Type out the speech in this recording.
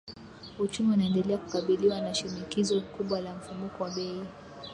Uchumi unaendelea kukabiliwa na shinikizo kubwa la mfumuko wa bei